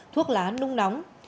thuốc lá nung nóng